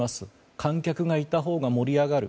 観客がいたほうが盛り上がる。